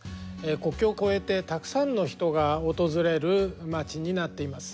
国境を越えてたくさんの人が訪れる街になっています。